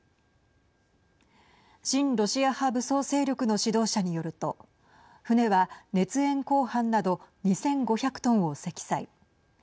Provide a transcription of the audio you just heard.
親ロシア派武装勢力の指導者によると船は、熱延鋼板など２５００トンを積載。